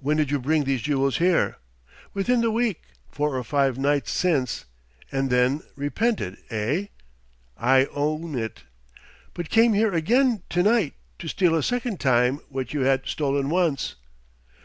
"When did you bring these jewels here?" "Within the week four or five nights since " "And then repented, eh?" "I own it." "But came here again tonight, to steal a second time what you had stolen once?"